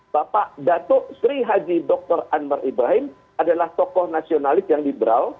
bapak dato sri haji dr anwar ibrahim adalah tokoh nasionalis yang liberal